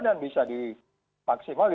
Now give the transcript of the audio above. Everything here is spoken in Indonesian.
dan bisa dimaksimal